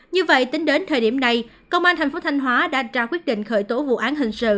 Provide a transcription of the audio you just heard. như vậy tính đến thời điểm này công an tp thành hóa đã ra quyết định khởi tố vụ án hình sự